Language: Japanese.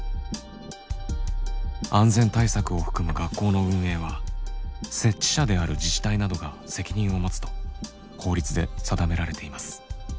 安全対策を含む学校の運営は設置者である自治体などが責任を持つと法律で定められています。